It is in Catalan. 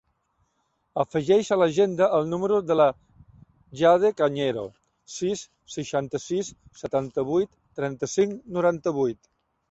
Afegeix a l'agenda el número de la Jade Cañero: sis, seixanta-sis, setanta-vuit, trenta-cinc, noranta-vuit.